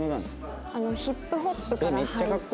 ヒップホップから入って。